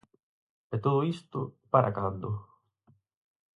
E todo isto, para cando?